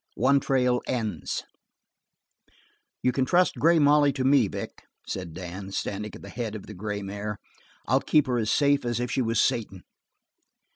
One Trail Ends "You can trust Grey Molly to me, Vic," said Dan, standing at the head of the gray mare. "I'll keep her as safe as if she was Satan."